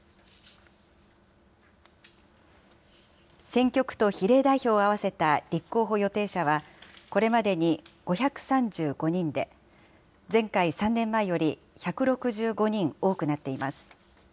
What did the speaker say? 選挙区と比例代表を合わせた立候補予定者は、これまでに５３５人で、前回・３年前より１６５人多くなっています。